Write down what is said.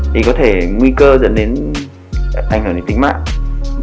thì có thể nguy cơ dẫn đến ảnh hưởng đến tính mạng